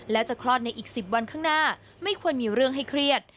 และจะคลอดในอีก๑๐วันข้างหน้าไม่ควรมีเรื่องให้เครียด